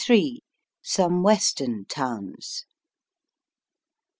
SOME WESTEEN TOWNS.